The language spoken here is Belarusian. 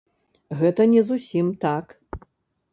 Гэта не зусім так.